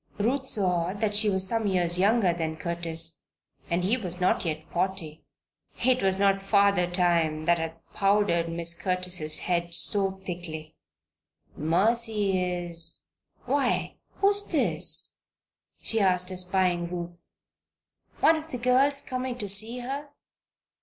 Ruth saw that she was some years younger than Curtis, and he was not yet forty. It was not Father Time that had powdered Mrs. Curtis' head so thickly. "Mercy is Why, who's this?" she asked espying Ruth. "One of the girls come in to see her?"